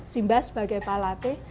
simba sebagai palate